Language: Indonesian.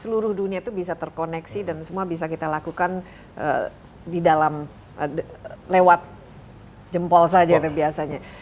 seluruh dunia itu bisa terkoneksi dan semua bisa kita lakukan di dalam lewat jempol saja itu biasanya